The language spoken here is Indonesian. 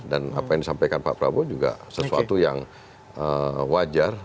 dan yang disampaikan pak prabowo juga sesuatu yang wajar